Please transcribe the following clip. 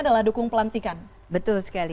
adalah dukung pelantikan betul sekali